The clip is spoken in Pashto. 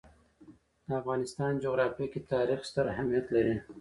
د افغانستان جغرافیه کې تاریخ ستر اهمیت لري.